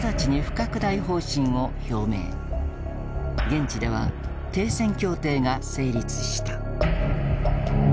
現地では停戦協定が成立した。